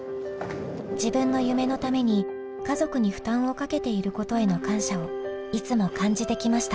自分の夢のために家族に負担をかけていることへの感謝をいつも感じてきました。